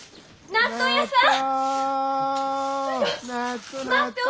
納豆屋さん！